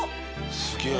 すげえ。